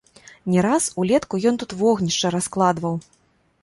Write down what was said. Не раз улетку ён тут вогнішча раскладваў.